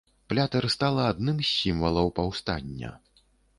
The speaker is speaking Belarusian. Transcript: Плятэр стала адным з сімвалаў паўстання.